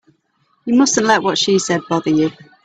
You mustn't let what she said bother you.